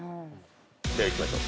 ではいきましょう。